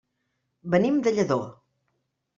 Venim de Lladó.